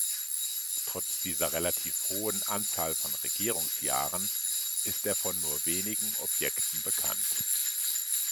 Trotz dieser relativ hohen Anzahl von Regierungsjahren ist er von nur wenigen Objekten bekannt.